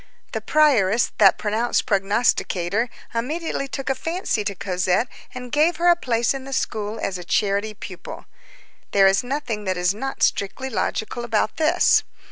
The prioress, that pronounced prognosticator, immediately took a fancy to Cosette and gave her a place in the school as a charity pupil. There is nothing that is not strictly logical about this.